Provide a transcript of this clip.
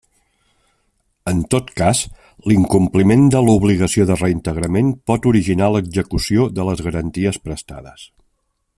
En tot cas, l'incompliment de l'obligació de reintegrament pot originar l'execució de les garanties prestades.